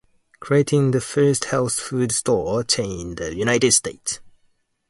Creating the first health foods store chain in the United States.